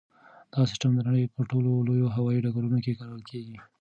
دا سیسټم د نړۍ په ټولو لویو هوایي ډګرونو کې کارول کیږي.